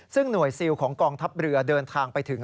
ซึ่งหน่วยซิลของกองทัพเรือเดินทางไปถึง